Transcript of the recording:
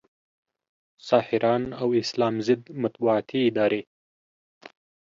ساحران او اسلام ضد مطبوعاتي ادارې